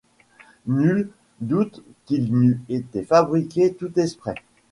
Nul doute qu’il n’eût été fabriqué tout exprès.